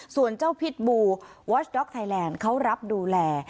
ส่วนเจ้าพิษบูวอชด็อกไทยแลนด์เขารับดูแล